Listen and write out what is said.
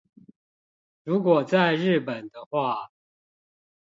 如果在日本的話